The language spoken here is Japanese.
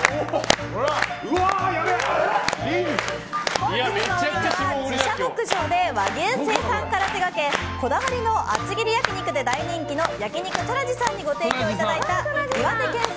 本日のお肉は自社牧場で和牛生産から手がけこだわりの厚切り焼き肉で大人気の焼肉トラジさんにご提供いただいた岩手県産